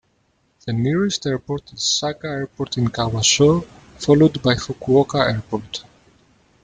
The nearest airport is Saga Airport in Kawasoe, followed by Fukuoka Airport.